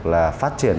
là phát triển